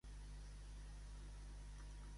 On s'ha mostrat l'article Tres àmbits en convulsió.